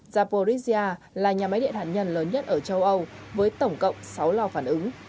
zaporizhia là nhà máy điện hạt nhân lớn nhất ở châu âu với tổng cộng sáu lo phản ứng